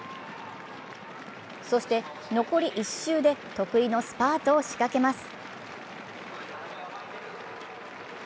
そして残り１周で得意のスパートを仕掛けます。